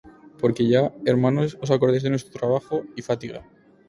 Porque ya, hermanos, os acordáis de nuestro trabajo y fatiga: